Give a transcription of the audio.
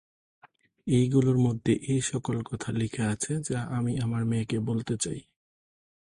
এই গুলোর মধ্যে এসকল কথা লিখা আছে যা আমি আমার মেয়েকে বলতে চাই।